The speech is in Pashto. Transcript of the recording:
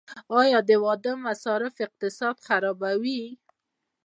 آیا د واده مصارف اقتصاد خرابوي؟